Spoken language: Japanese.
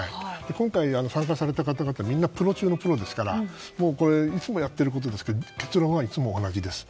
今回参加された方々はみんなプロ中のプロですからいつもやっていることですが結論はいつも同じです。